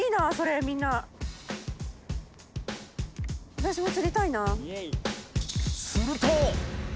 私も釣りたいな。